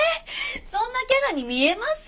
そんなキャラに見えます？